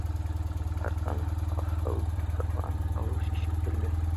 Арттан һаһылдаған тауыш ишетелде: